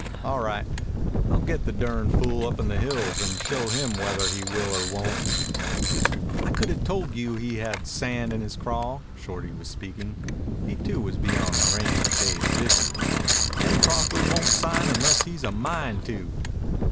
All right. I'll get the durn fool up in the hills and show him whether he will or won't." "I could 'a' told you he had sand in his craw." Shorty was speaking. He too was beyond the range of Dave's vision. "Em Crawford won't sign unless he's a mind to."